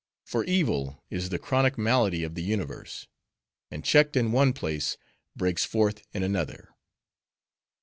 For evil is the chronic malady of the universe; and checked in one place, breaks forth in another.